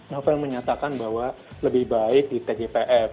novel menyatakan bahwa lebih baik di tgpf